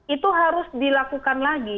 itu harus dilakukan lagi